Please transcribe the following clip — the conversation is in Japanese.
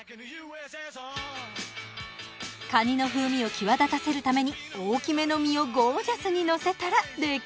蟹の風味を際立たせるために大きめの身をゴージャスにのせたら出来上がり！